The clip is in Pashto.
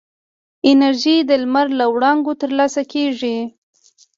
انرژي د لمر له وړانګو ترلاسه کېږي.